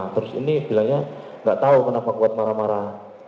terus ini bilangnya gak tau kenapa kuat marah marah